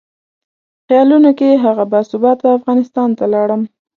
خیالونو کې هغه باثباته افغانستان ته لاړم.